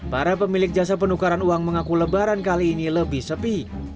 para pemilik jasa penukaran uang mengaku lebaran kali ini lebih sepi